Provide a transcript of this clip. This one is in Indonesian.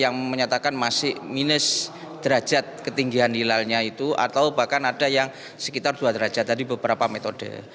yang menyatakan masih minus derajat ketinggian hilalnya itu atau bahkan ada yang sekitar dua derajat tadi beberapa metode